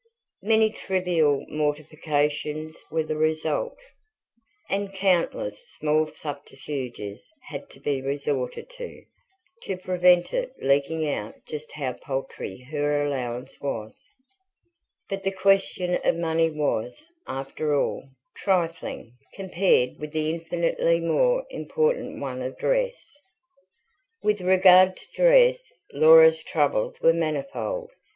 Many trivial mortifications were the result; and countless small subterfuges had to be resorted to, to prevent it leaking out just how paltry her allowance was. But the question of money was, after all, trifling, compared with the infinitely more important one of dress. With regard to dress, Laura's troubles were manifold.